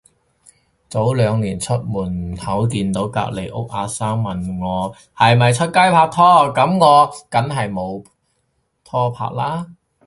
早兩日出門口見到隔離屋阿生，問我係咪出街拍拖，噉我梗係冇拖拍啦